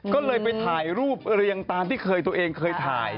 ก็เลยไปถ่ายรูปเรียงตามที่เคยตัวเองเคยถ่าย